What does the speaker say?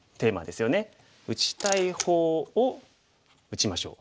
「打ちたい方を打ちましょう」。